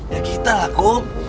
ya kita lah kum